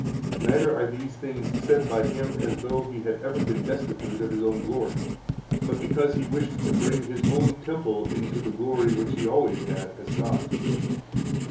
Neither are these things said by Him as though He had ever been destitute of His own glory, but because He wished to bring His own temple into the glory which He always has as God."